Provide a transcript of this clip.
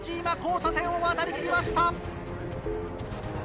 今交差点を渡りきりました。